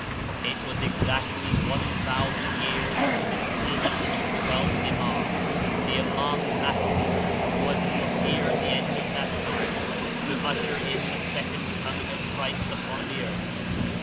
It was exactly looo years from the disappearance of the Twelfth Iman, the "Iman Mahdi," who was to appear at the end of that time to usher in the second coming of Christ upon the earth.